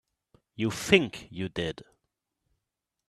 You think you did.